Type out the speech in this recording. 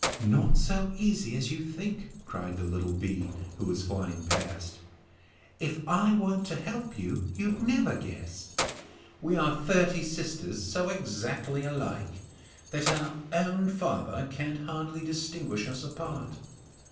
'Not so easy as you think,' cried the little bee, who was flying past. 'If I weren't to help you, you'd never guess. We are thirty sisters so exactly alike that our own father can hardly distinguish us apart.